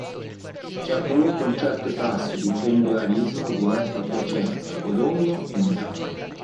C'è comunque un certo tasso di pendolarismo diretto a Piacenza, Codogno e Milano.